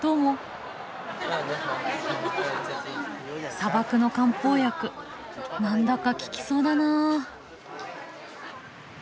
砂漠の漢方薬何だか効きそうだなあ。